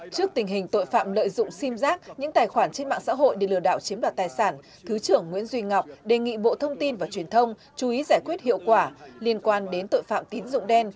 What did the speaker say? trước tình hình tội phạm lợi dụng sim giác những tài khoản trên mạng xã hội để lừa đảo chiếm đoạt tài sản thứ trưởng nguyễn duy ngọc đề nghị bộ thông tin và truyền thông chú ý giải quyết hiệu quả liên quan đến tội phạm tín dụng đen